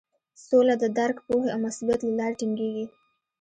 سوله د درک، پوهې او مسولیت له لارې ټینګیږي.